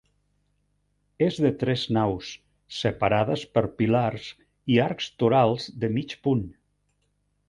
És de tres naus, separades per pilars i arcs torals de mig punt.